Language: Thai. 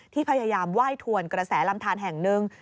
พยายามไหว้ถวนกระแสลำทานแห่งหนึ่ง